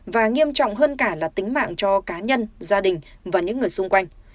và nghiêm trọng hơn cả là tính mạng cho cá nhân gia đình và những người xung quanh